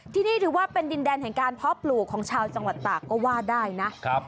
ที่นี่ถือว่าเป็นดินแดนแห่งการเพาะปลูกของชาวจังหวัดตากก็ว่าได้นะ